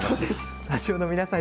スタジオの皆さん